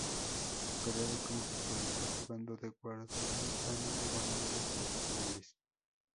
Su carrera como futbolista, jugando de guardameta, no llegó a niveles profesionales.